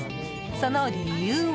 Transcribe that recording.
その理由は。